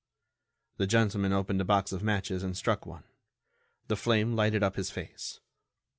The gentleman opened a box of matches and struck one. The flame lighted up his face.